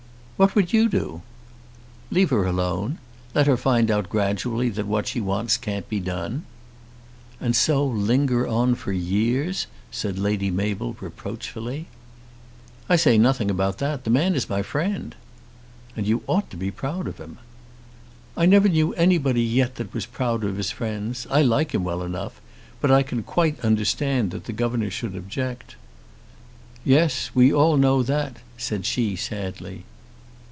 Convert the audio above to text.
"What would you do?" "Leave her alone. Let her find out gradually that what she wants can't be done." "And so linger on for years," said Lady Mabel reproachfully. "I say nothing about that. The man is my friend." "And you ought to be proud of him." "I never knew anybody yet that was proud of his friends. I like him well enough, but I can quite understand that the governor should object." "Yes, we all know that," said she sadly.